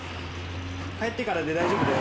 帰ってからで大丈夫だよ。